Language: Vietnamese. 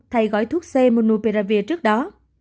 thay gói thuốc c monopiravir trước đó